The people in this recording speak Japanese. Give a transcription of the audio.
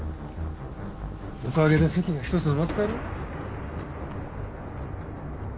おかげで席が１つ埋まったろ？